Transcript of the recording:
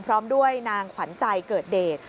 พร้อมด้วยนางขวัญใจเกิดเดช